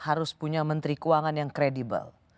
harus punya menteri keuangan yang kredibel